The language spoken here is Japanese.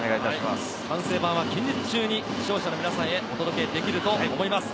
完成版は近日中に視聴者の皆さんへお届けできると思います。